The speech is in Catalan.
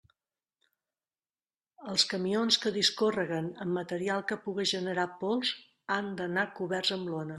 Els camions que discórreguen amb material que puga generar pols han d'anar coberts amb lona.